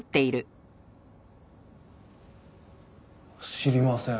知りません。